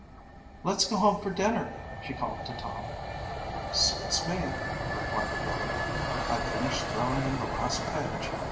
"Let's go home for dinner," she called to Tom. "Suits me," replied her brother. "I've finished throwing in the last page.